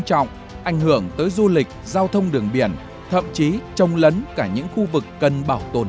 trọng ảnh hưởng tới du lịch giao thông đường biển thậm chí trông lấn cả những khu vực cần bảo tồn